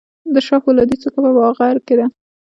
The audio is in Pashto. د شاه فولادي څوکه په بابا غر کې ده